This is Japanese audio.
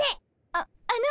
あっあの。